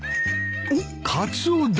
おっカツオだ。